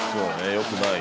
よくない。